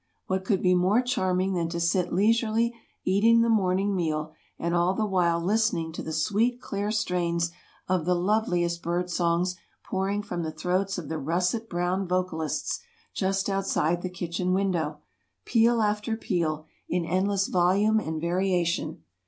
What could be more charming than to sit leisurely eating the morning meal and all the while listening to the sweet, clear strains of the loveliest bird songs pouring from the throats of the russet brown vocalists just outside the kitchen window, peal after peal, in endless volume and variation.